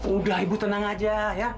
udah ibu tenang aja ya